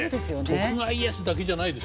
徳川家康だけじゃないですよ。